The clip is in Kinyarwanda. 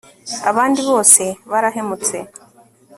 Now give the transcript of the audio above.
abandi bose barahemutse